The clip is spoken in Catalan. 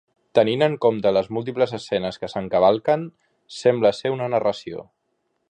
Tenint en compte les múltiples escenes que s'encavalquen, sembla ser una narració.